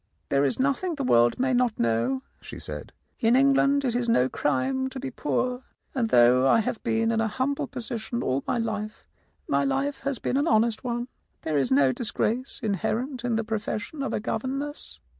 "There is nothing the world may not know," she said; "in England it is no crime to be poor, and though I have been in a humble position all my life, my life has been an honest one. There is no dis grace inherent in the profession of a governess.